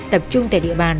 tập trung tại địa bàn